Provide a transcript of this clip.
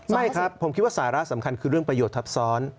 ไม่ครับผมคิดว่าสาระสำคัญคือเรื่องประโยชน์ทับซ้อน